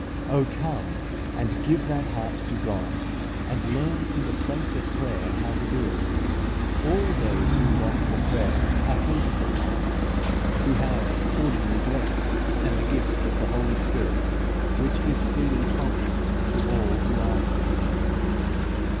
Oh, come and give that heart to God, and learn in the place of prayer how to do it! All those who long for prayer are capable of it, who have ordinary grace and the gift of the Holy Spirit, which is freely promised to all who ask it.